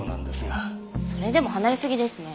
それでも離れすぎですね。